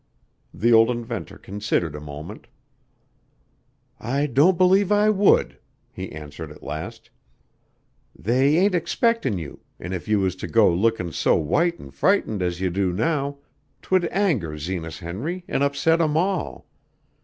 The old inventor considered a moment. "I don't believe I would," he answered at last. "They ain't expectin' you, an' if you was to go lookin' so white an' frightened as you do now, 'twould anger Zenas Henry an' upset 'em all.